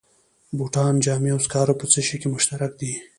بوټان، جامې او سکاره په څه شي کې مشترک دي